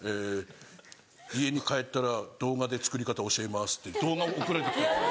家に帰ったら動画で作り方教えます」って動画送られて来る。